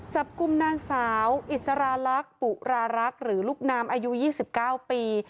จับกลุ่มนางสาวอิสราลักษณ์ปุรารักษ์หรือลูกน้ำอายุ๒๙ปี